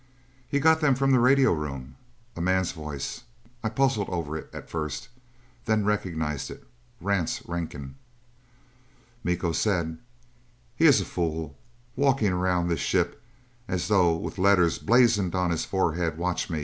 "He got them from the radio room." A man's voice: I puzzled over it at first, then recognized it. Rance Rankin. Miko said, "He is a fool. Walking around this ship as though with letters blazoned on his forehead, 'Watch me....